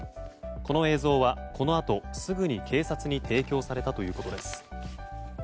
この映像は、このあとすぐに警察に提供されたということです。